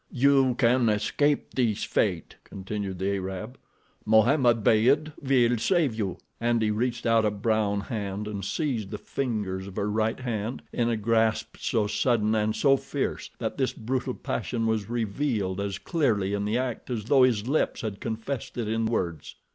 "You can escape this fate," continued the Arab; "Mohammed Beyd will save you," and he reached out a brown hand and seized the fingers of her right hand in a grasp so sudden and so fierce that his brutal passion was revealed as clearly in the act as though his lips had confessed it in words.